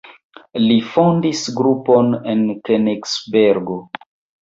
Li fondis grupon en Kenigsbergo.